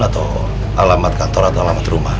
atau alamat kantor atau alamat rumah